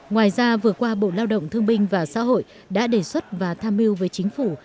ngoài ra vừa qua bộ lao động thương binh và xã hội đã đề xuất và tham mưu với chính phủ